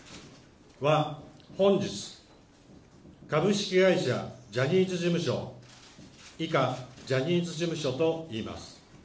は、本日、株式会社ジャニーズ事務所、以下ジャニーズ事務所といいます。